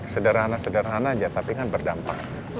sederhana sederhana aja tapi kan berdampak